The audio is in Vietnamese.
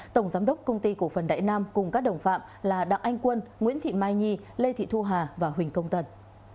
tổng giám đốc công ty cổ phần đại nam cùng các đồng phạm là đặng anh quân nguyễn thị mai nhi lê thị thu hà và huỳnh công tần